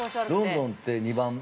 ◆ロンドンって２番。